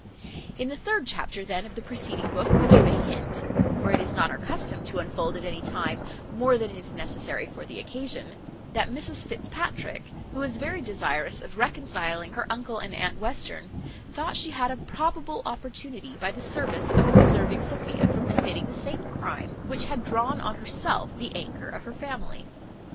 In the third chapter, then, of the preceding book, we gave a hint (for it is not our custom to unfold at any time more than is necessary for the occasion) that Mrs Fitzpatrick, who was very desirous of reconciling her uncle and aunt Western, thought she had a probable opportunity, by the service of preserving Sophia from committing the same crime which had drawn on herself the anger of her family.